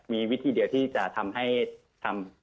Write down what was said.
มีวิธีเดียวที่จะทำให้ทำ